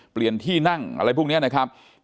เปลี่ยนที่นั่งอะไรพวกนี้นะครับ